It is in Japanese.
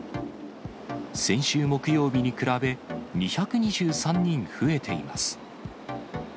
先週木曜日に比べ、２２３人増えています。